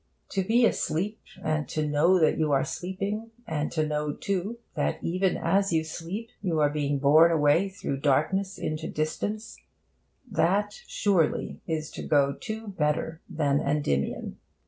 To be asleep and to know that you are sleeping, and to know, too, that even as you sleep you are being borne away through darkness into distance that, surely, is to go two better than Endymion.